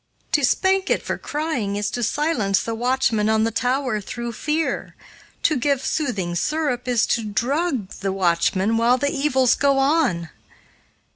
To spank it for crying is to silence the watchman on the tower through fear, to give soothing syrup is to drug the watchman while the evils go on.